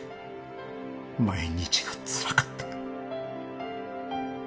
毎日がつらかった。